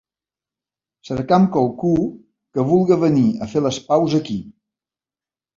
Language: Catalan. Cercam qualcú que vulga venir a fer les paus aquí.